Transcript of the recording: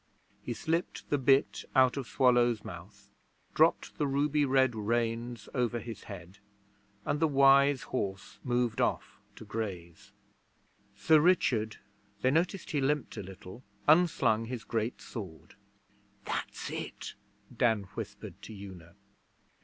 He slipped the bit out of Swallow's mouth, dropped the ruby red reins over his head, and the wise horse moved off to graze. Sir Richard (they noticed he limped a little) unslung his great sword. 'That's it,' Dan whispered to Una.